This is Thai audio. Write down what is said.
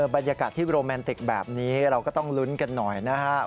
บรรยากาศที่โรแมนติกแบบนี้เราก็ต้องลุ้นกันหน่อยนะครับ